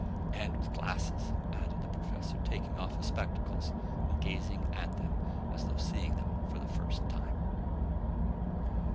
"And with glasses," added the professor, taking off his spectacles and gazing at them as though seeing them for the first time.